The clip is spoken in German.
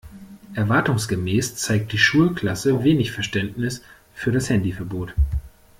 Erwartungsgemäß zeigt die Schulklasse wenig Verständnis für das Handyverbot.